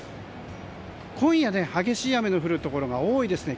今夜、激しい雨の降るところが多いですね。